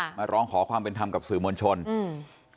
มาร้องขอความเป็นธรรมกับสื่อมวลชนอืม